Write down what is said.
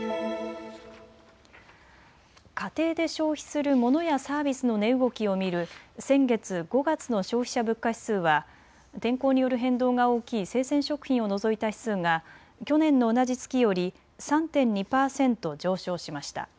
家庭で消費するモノやサービスの値動きを見る先月５月の消費者物価指数は天候による変動が大きい生鮮食品を除いた指数が去年の同じ月より３．２％上昇しました。